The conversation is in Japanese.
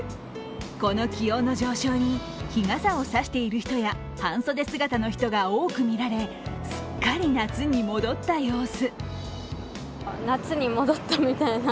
この気温の上昇に日傘を差している人や半袖姿の人が多く見られ、すっかり夏に戻った様子。